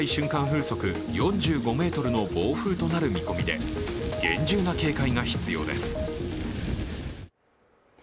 風速４５メートルの暴風となる見込みで厳重な警戒が必要です。